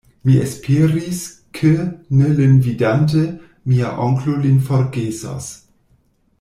Mi esperis, ke, ne lin vidante, mia onklo lin forgesos.